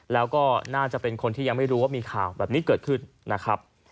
แล้วก็น่าจะเป็นคนที่ยังไม่รู้ว่ามีข่าวแบบนี้เกิดขึ้นนะครับ